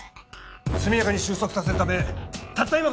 速やかに収束させるためたった